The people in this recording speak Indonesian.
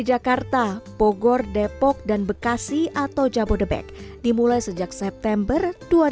proyek lrt jakarta pogor depok dan bekasi atau jabodebek dimulai sejak september dua ribu lima belas